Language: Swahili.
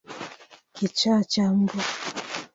Kichaa cha mbwa